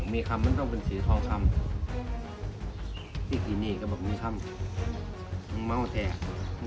มีคำมันต้องเป็นสีทองคำอีกปีนีก็บอกมีคำมันไม่ออกแหละมัน